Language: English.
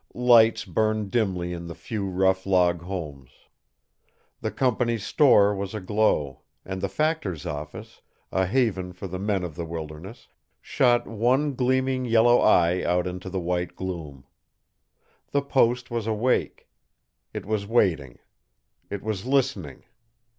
Lights burned dimly in the few rough log homes. The company's store was aglow, and the factor's office, a haven for the men of the wilderness, shot one gleaming yellow eye out into the white gloom. The post was awake. It was waiting. It was listening.